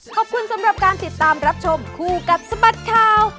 ขอบคุณสำหรับการติดตามรับชมคู่กับสบัดข่าว